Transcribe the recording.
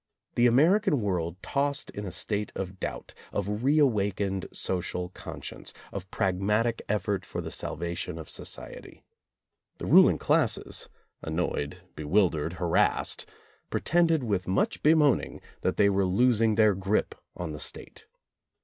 The American world tossed in a state of doubt, of reawakened social conscience, of prag matic effort for the salvation of society. The rul ing classes — annoyed, bewildered, harassed — pre tended with much bemoaning that they were losing their grip on the State.